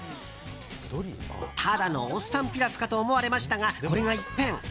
ただのおっさんピラフかと思われましたが、これが一変。